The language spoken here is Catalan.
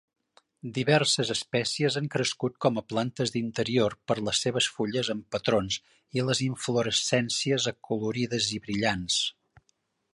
Diverses espècies han crescut com a plantes d'interior per les seves fulles amb patrons i les inflorescències acolorides i brillants.